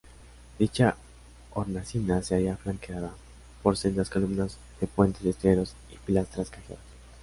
Dicha hornacina se halla flanqueada por sendas columnas de fustes estriados y pilastras cajeadas.